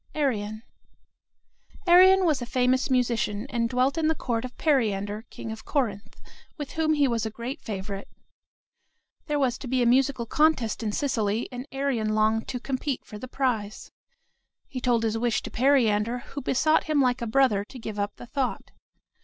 ARION Arion was a famous musician, and dwelt in the court of Periander, king of Corinth, with whom he was a great favorite. There was to be a musical contest in Sicily, and Arion longed to compete for the prize. He told his wish to Periander, who besought him like a brother to give up the thought.